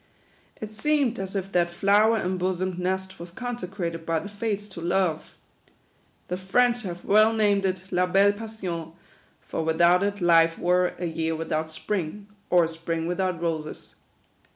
It seemed as if that flower em bosomed nest was consecrated by the Fates to Love. The French have well named it La Belle Passion ; for without it life were " a year without spring, or a spring without roses."